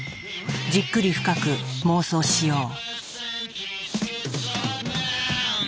じっくり深く妄想しよう。